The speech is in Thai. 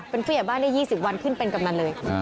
เป็นผู้ใหญ่บ้านได้๒๐วันขึ้นเป็นกำนันเลย